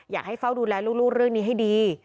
อยากให้เฝ้าดูแลลูกเรื่องนี้ให้ดี